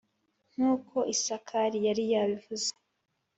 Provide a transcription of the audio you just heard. Nk’uko Isakari yari yabivuze